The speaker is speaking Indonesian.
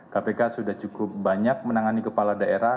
kpk sudah cukup banyak menangani kepala daerah